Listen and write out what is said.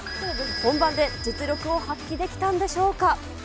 本番で実力を発揮できたんでしょうか。